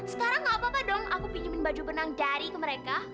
sekarang gak apa apa dong aku pinjamin baju benang dari ke mereka